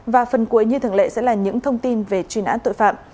và phần cuối như thường lệ sẽ là những thông tin về truy nã tội phạm